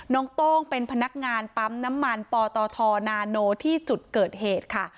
โต้งเป็นพนักงานปั๊มน้ำมันปตทนาโนที่จุดเกิดเหตุค่ะ